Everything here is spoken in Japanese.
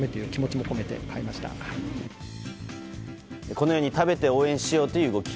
このように食べて応援しようという動き